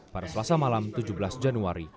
pada selasa malam tujuh belas januari